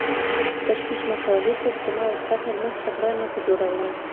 تشويش مکوه هيڅوک زما اوستا تر منځ شخړه نسي جوړولای.